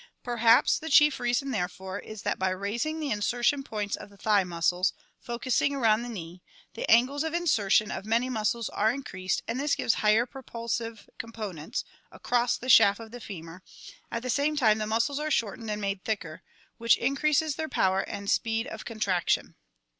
Perhaps, the chief reason, therefore, is that by raising the insertion points of the thigh muscles focussing around the knee, the angles of in sertion of many muscles are increased and this gives higher pro pulsive components, across the shaft of the femur; at the same time the muscles are shortened and made thicker, which increases their power and speed of contraction.